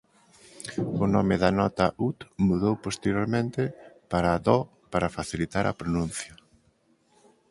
O nome da nota ut mudou posteriormente para dó para facilitar a pronuncia.